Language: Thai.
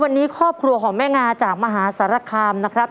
วันนี้ครอบครัวของแม่งาจากมหาสารคามนะครับ